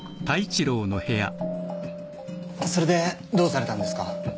それでどうされたんですか？